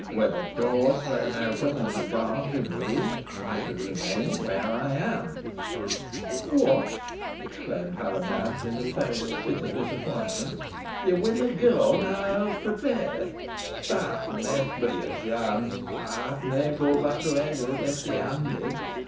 Were the doors thrown open, and the guard removed, I should remain where I am." "Whot!" exclaimed Hal o' Nabs, in a tone of bitter disappointment; "yo winnaw go, neaw aw's prepared. By th' Mess, boh yo shan. Ey'st nah go back to Ebil empty handed.